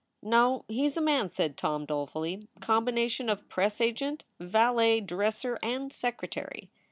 "No, he s a man," said Tom, dolefully "combination of press agent, valet, dresser, and secretary."